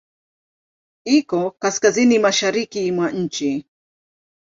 Iko kaskazini-mashariki mwa nchi.